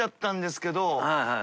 はいはい。